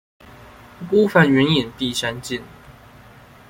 孤帆遠影碧山近